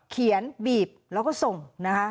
เขียนบีบแล้วก็ส่งนะคะ